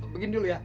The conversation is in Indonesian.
begini dulu ya